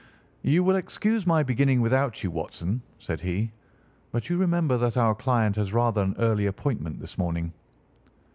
"You will excuse my beginning without you, Watson," said he, "but you remember that our client has rather an early appointment this morning."